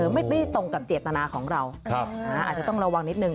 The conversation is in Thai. ไม่ได้ตรงกับเจตนาของเราอาจจะต้องระวังนิดนึ